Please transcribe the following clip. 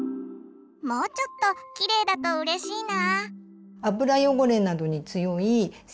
もうちょっとキレイだとうれしいな。